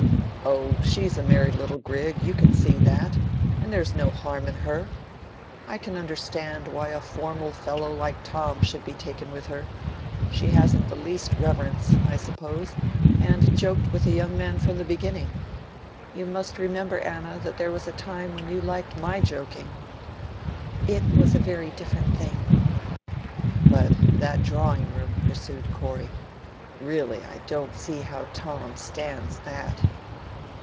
"Oh, she's a merry little grig, you can see that, and there's no harm in her. I can understand a little why a formal fellow like Tom should be taken with her. She hasn't the least reverence, I suppose, and joked with the young man from the beginning. You must remember, Anna, that there was a time when you liked my joking." "It was a very different thing!" "But that drawing room," pursued Corey; "really, I don't see how Tom stands that.